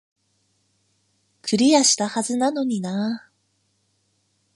クリアしたはずなのになー